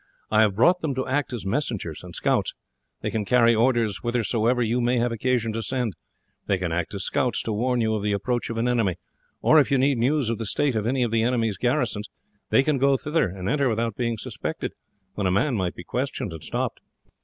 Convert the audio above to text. I have brought them to act as messengers and scouts. They can carry orders whithersoever you may have occasion to send. They can act as scouts to warn you of the approach of an enemy; or if you need news of the state of any of the enemy's garrisons, they can go thither and enter without being suspected, when a man might be questioned and stopped.